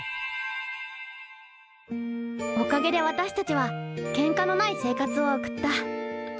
おかげで私たちはケンカのない生活を送った。